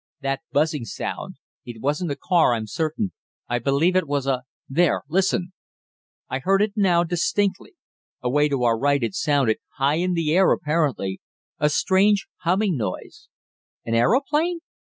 "That buzzing sound. It wasn't a car, I'm certain. I believe it was a there, listen!" I heard it now, distinctly. Away to our right it sounded, high in the air, apparently; a strange, humming noise. "An aeroplane?"